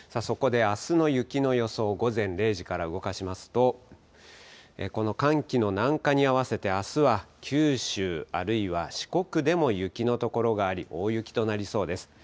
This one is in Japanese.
そこであすの雪の予想、午前０時から動かしますと、この寒気の南下に合わせて、あすは九州、あるいは四国でも雪の所があり、大雪となりそうです。